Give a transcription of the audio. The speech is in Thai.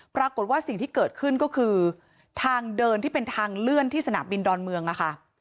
ปรากฏว่าสิ่งที่เกิดขึ้นก็คือทางเดินที่เป็นทางเลื่อนที่สนามบินดอนเมืองนะคะ